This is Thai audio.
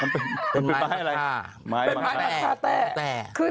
มันเป็นไม้ฮะไม้มะคาแต่